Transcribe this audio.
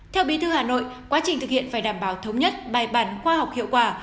theo bí thư hà nội quá trình thực hiện phải đảm bảo thống nhất bài bản khoa học hiệu quả